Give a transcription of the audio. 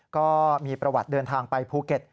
ก็มีประวัติเดินทางไปภูเก็ต